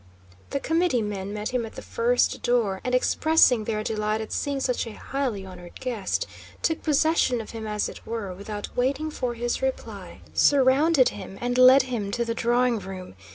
The committeemen met him at the first door and, expressing their delight at seeing such a highly honored guest, took possession of him as it were, without waiting for his reply, surrounded him, and led him to the drawing room.